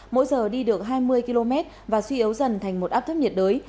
mỗi giờ đi được hai mươi km và suy yếu dần thành một áp thấp nhiệt đới